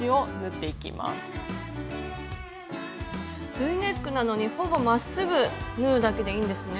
Ｖネックなのにほぼまっすぐ縫うだけでいいんですね。